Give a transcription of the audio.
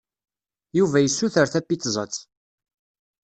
Yuba yessuter tapizzat.